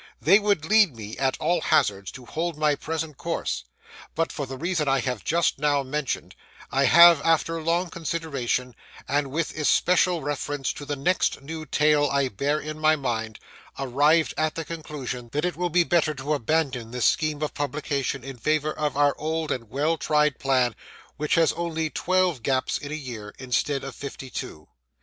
They would lead me, at all hazards, to hold my present course. But for the reason I have just now mentioned, I have after long consideration, and with especial reference to the next new tale I bear in my mind, arrived at the conclusion that it will be better to abandon this scheme of publication in favour of our old and well tried plan which has only twelve gaps in a year, instead of fifty two.